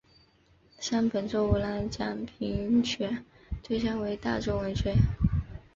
山本周五郎奖评选对象为大众文学。